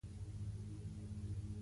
د شاتو خوند طبیعي خوږوالی لري.